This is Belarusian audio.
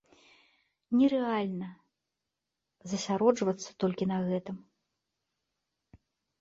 Нерэальна засяроджвацца толькі на гэтым.